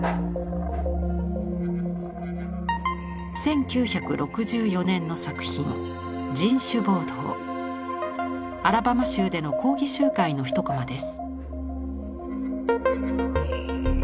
１９６４年の作品アラバマ州での抗議集会の一コマです。